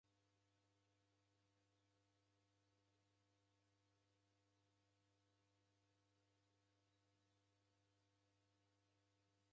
Nesikira wei ngelo ya njala, wandu warakumba vitambala vindonyi eri wandu wichunuko ni ngolo.